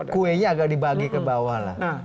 kuenya agak dibagi ke bawah lah